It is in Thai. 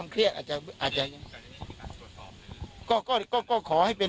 ความเครียดอาจจะ